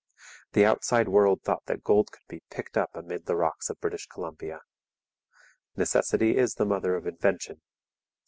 The outside world thought that gold could be picked up amid the rocks of British Columbia. Necessity is the mother of invention.